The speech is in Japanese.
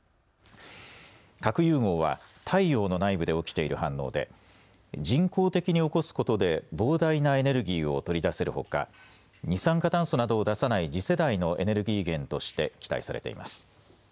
核融合は太陽の内部で起きている反応で人工的に起こすことで膨大なエネルギーを取り出せるほか、二酸化炭素などを出さない次世代のエネルギー源として期待されています。